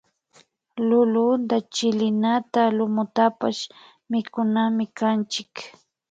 Lulunta chilinata lumutapash mikunamikanchik